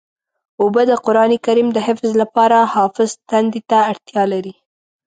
اوبه د قرآن کریم د حفظ لپاره حافظ تندې ته اړتیا لري.